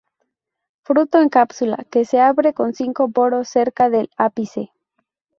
Fruto en cápsula que se abre por cinco poros cerca del ápice.